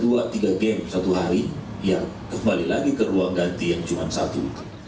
tapi kalau kita berjalan satu hari ya kembali lagi ke ruang ganti yang cuma satu